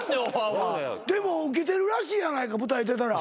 でもウケてるらしいやないか舞台出たら。